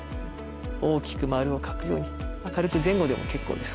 大きく丸を描くように軽く前後でも結構です。